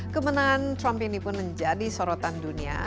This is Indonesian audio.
kemenangan trump ini pun menjadi sorotan dunia